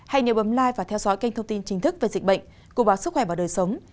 hãy nhớ bấm like và theo dõi kênh thông tin chính thức về dịch bệnh của báo sức khỏe và đời sống